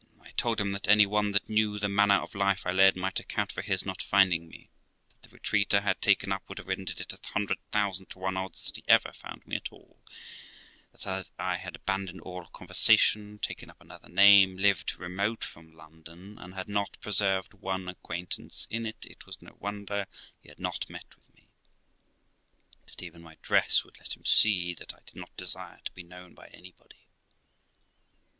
I told him that any one that knew the manner of life I led might account for his not finding me; that the retreat I had taken up would have rendered it a hundred thousand to one odds that he ever found me at all; that, as I had abandoned all conversation, taken up another name, lived remote from London, and had not preserved one acquaintance in it, it was no wonder he had not met with me; that even my dress would let him see that I did not desire to be known by anybody.